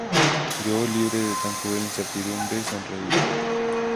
yo, libre de tan cruel incertidumbre, sonreí: